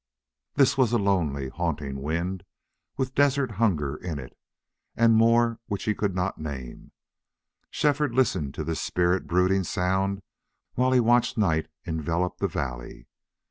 This was a lonely, haunting wind, with desert hunger in it, and more which he could not name. Shefford listened to this spirit brooding sound while he watched night envelop the valley.